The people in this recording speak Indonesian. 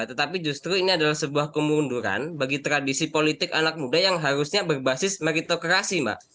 tetapi justru ini adalah sebuah kemunduran bagi tradisi politik anak muda yang harusnya berbasis meritokrasi mbak